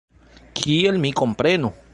Kiel mi komprenu?